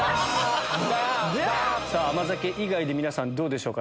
甘酒以外で皆さんどうでしょうか？